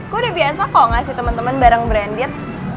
gue udah biasa kok ngasih temen temen bareng branded